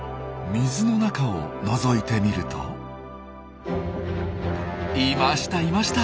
水の中をのぞいてみるといましたいました！